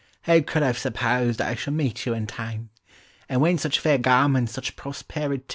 Who could have supposed I should meet you in Town? And whence such fair garments, such prosperi ty?"